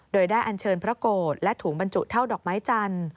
โดยได้อันเชิญพระโกรธและถุงบรรจุเท่าดอกไม้จันทร์